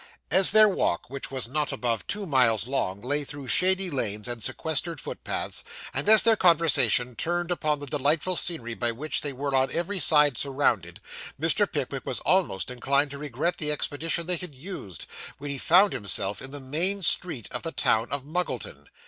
As their walk, which was not above two miles long, lay through shady lanes and sequestered footpaths, and as their conversation turned upon the delightful scenery by which they were on every side surrounded, Mr. Pickwick was almost inclined to regret the expedition they had used, when he found himself in the main street of the town of Muggleton.